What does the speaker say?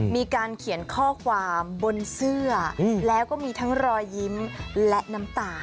มีการเขียนข้อความบนเสื้อแล้วก็มีทั้งรอยยิ้มและน้ำตา